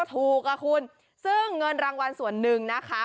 ทุกคุณซึ่งเงินรางวัลส่วนนึงนะคะ